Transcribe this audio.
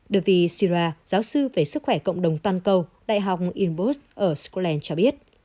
david syrah giáo sư về sức khỏe cộng đồng toàn cầu đại học inbos ở scotland cho biết